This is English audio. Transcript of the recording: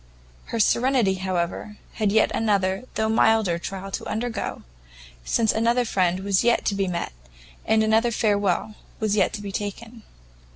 Her serenity, however, had yet another, though milder trial to undergo, since another friend was yet to be met, and another farewell was yet to be taken.